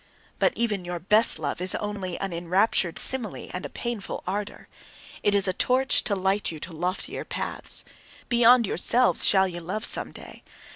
But even your best love is only an enraptured simile and a painful ardour. It is a torch to light you to loftier paths. Beyond yourselves shall ye love some day!